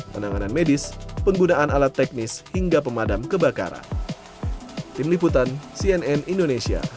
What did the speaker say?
penanganan medis penggunaan alat teknis hingga pemadam kebakaran